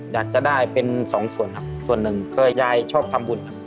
อยากจะได้เป็นสองส่วนครับส่วนหนึ่งก็ยายชอบทำบุญครับ